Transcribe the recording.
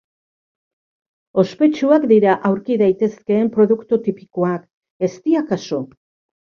Ospetsuak dira aurki daitezkeen produktu tipikoak, eztia kasu.